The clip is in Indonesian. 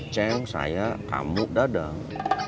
ceng saya kamu dadang